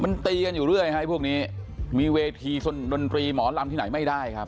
มันตีกันอยู่เรื่อยฮะพวกนี้มีเวทีดนตรีหมอลำที่ไหนไม่ได้ครับ